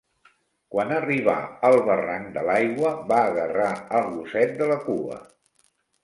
Quan arribà al barranc de l’Aigua, va agarrar el gosset de la cua.